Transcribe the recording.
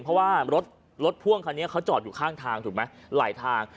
เพราะว่ารถรถพ่วงคันนี้เขาจอดอยู่ข้างทางถูกไหมไหลทาง